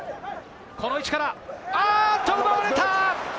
この位置から、あっと！奪われた！